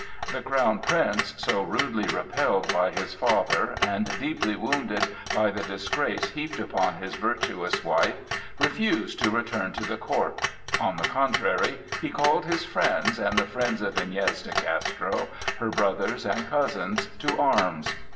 The Crown Prince, so rudely repelled by his father and deeply wounded by the disgrace heaped upon his virtuous wife, refused to return to the court; on the contrary, he called his friends, and the friends of Iñez de Castro, her brothers and cousins, to arms.